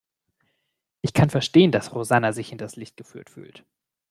Ich kann verstehen, dass Rosanna sich hinters Licht geführt fühlt.